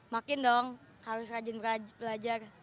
makin dong harus rajin belajar